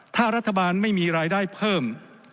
ถ้ารัฐบาลไม่มีรายได้เพิ่ม